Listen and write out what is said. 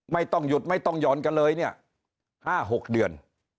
ไม่ต้องหยุดไม่ต้องหย่อนกันเลยเนี่ย๕๖เดือน